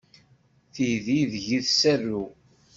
Tiddi deg-i tserru.